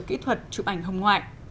kỹ thuật chụp ảnh hồng ngoại